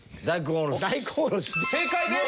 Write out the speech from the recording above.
正解です！